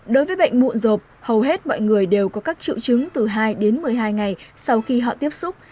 đối với bệnh mụn rộp hầu hết mọi người đều có các triệu chứng từ hai đến một mươi hai ngày sau khi họ tiếp xúc